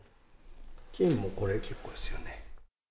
金もこれ結構ですよね。